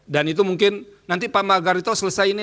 dan itu mungkin nanti pak margarito selesai ini